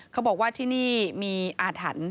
เขาบอกว่าที่นี่มีอาถรรพ์